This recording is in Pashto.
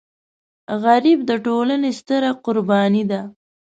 غریب د ټولنې ستره قرباني ده